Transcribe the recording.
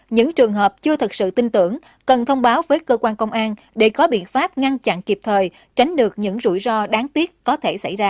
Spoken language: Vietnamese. những trường hợp chưa thật sự tin tưởng cần thông báo với cơ quan công an để có biện pháp ngăn chặn kịp thời tránh được những rủi ro đáng tiếc có thể xảy ra